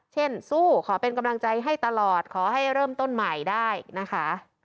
สู้ขอเป็นกำลังใจให้ตลอดขอให้เริ่มต้นใหม่ได้นะคะ